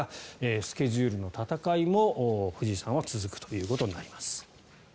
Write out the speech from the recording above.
スケジュールの戦いも藤井さんは続くということになります。